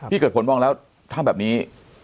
พี่เกิดผลบ้างแล้วถ้าแบบนี้